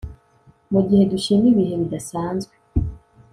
Mugihe dushima ibihe bidasanzwe